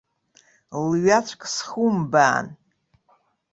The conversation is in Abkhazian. Лҩаҵәк схыумбаан.